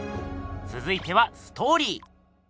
つづいてはストーリー。